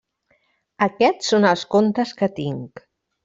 Aquests són els contes que tinc.